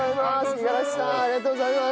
五十嵐さんありがとうございます！